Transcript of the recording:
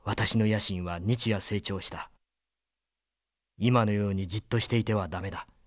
今のようにじっとしていては駄目だ。